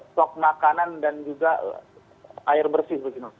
stok makanan dan juga air bersih